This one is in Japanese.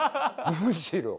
むしろ。